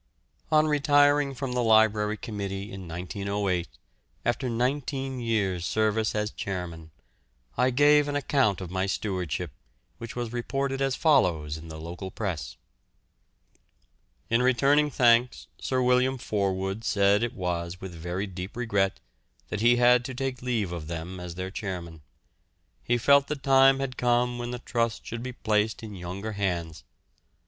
On retiring from the Library Committee in 1908, after nineteen years' service as chairman, I gave an account of my stewardship, which was reported as follows in the local press: "In returning thanks Sir William Forwood said it was with very deep regret that he had to take leave of them as their chairman. He felt the time had come when the trust should be placed in younger hands.